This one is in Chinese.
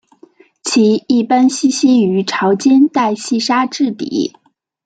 其一般栖息于潮间带细砂质底。